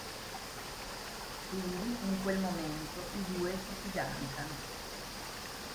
Quindi in quel momento i due si fidanzano.